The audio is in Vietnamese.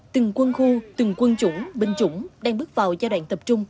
từng quân khu từng quân chủ binh chủ đang bước vào giai đoạn tập trung